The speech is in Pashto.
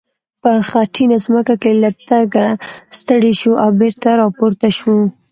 په خټینه ځمکه کې له تګه ستړی شو او بېرته را پورته شو.